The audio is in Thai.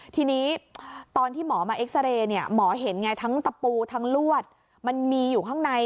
ทีนี้ตอนที่หมอมาเอ็กซาเรย์เนี่ยหมอเห็นไงทั้งตะปูทั้งลวดมันมีอยู่ข้างใน